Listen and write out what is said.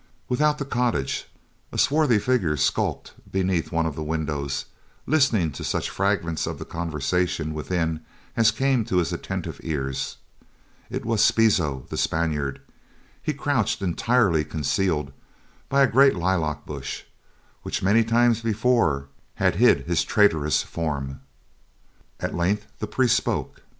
Without the cottage, a swarthy figure skulked beneath one of the windows, listening to such fragments of the conversation within as came to his attentive ears. It was Spizo, the Spaniard. He crouched entirely concealed by a great lilac bush, which many times before had hid his traitorous form. At length the priest spoke.